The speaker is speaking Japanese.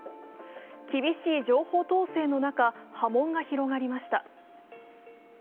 厳しい情報統制の中、波紋が広がりました。